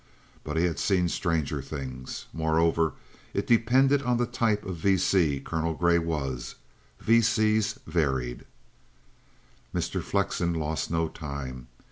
But he had seen stranger things. Moreover, it depended on the type of V.C. Colonel Grey was. V.C.s varied. Mr. Flexen lost no time.